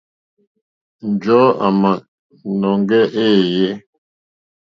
Njɔ̀ɔ́ àmǎnɔ́ŋgɛ̄ éèyé.